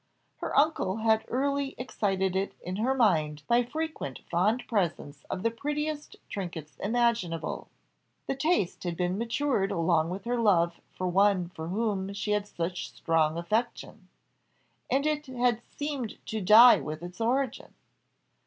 Her uncle had early excited it in her mind by frequent fond presents of the prettiest trinkets imaginable; the taste had been matured along with her love for one for whom she had such strong affection, and it had seemed to die with its origin.